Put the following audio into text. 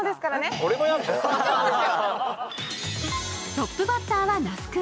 トップバッターは那須君。